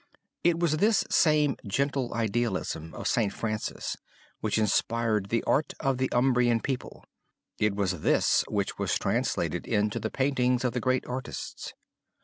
It was this same gentle idealism of St. Francis which inspired the art of the Umbrian people; it was this which was translated into the paintings of the greatest artists.